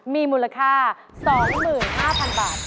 มีมูลค่า๒๕๐๐๐บาท